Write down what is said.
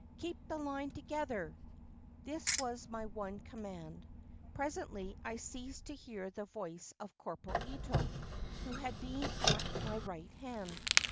"Keep the line together!" This was my one command. Presently I ceased to hear the voice of Corporal Ito, who had been at my right hand.